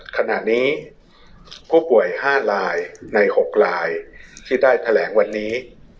ขณะนี้ผู้ป่วย๕ลายใน๖ลายที่ได้แถลงวันนี้